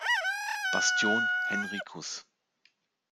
Bastion „Henricus“.